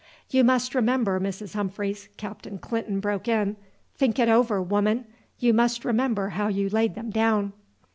"You must remember, Mrs. Humphreys," Captain Clinton broke in; "think it over, woman. You must remember how you laid them down."